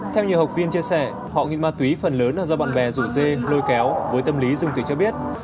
theo nhiều học viên chia sẻ họ nghiện ma túy phần lớn là do bạn bè rủ dê lôi kéo với tâm lý dung từ cho biết